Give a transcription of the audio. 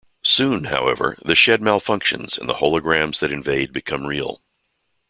Soon, however, the shed malfunctions and the holograms that invade become real.